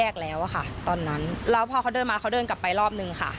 เขาเดินมาเขาเดินกลับไปรอบหนึ่งค่ะ